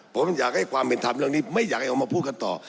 ผมอยากให้ความเป็นธรรมเรื่องนี้ไม่อยากให้ออกมาพูดกันต่อ